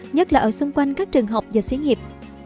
nhất là ở xung quanh các trường học và xí nghiệp